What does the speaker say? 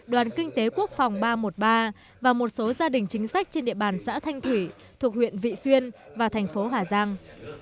đoàn kinh tế quốc phòng ba trăm một mươi ba và một số gia đình chính sách trên địa bàn xã thanh thủy thuộc huyện vị xuyên và thành phố hà giang